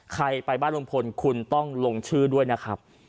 ใครไปบ้านลุงพลคุณต้องลงชื่อด้วยนะครับ